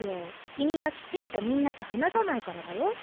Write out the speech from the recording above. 君がきちんとみんなと話さないからだよ。